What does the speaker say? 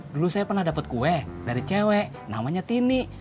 dulu saya pernah dapat kue dari cewek namanya tini